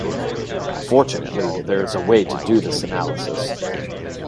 Fortunately, there is a way to do this analysis.